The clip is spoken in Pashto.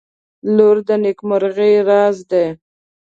• لور د نیکمرغۍ راز دی.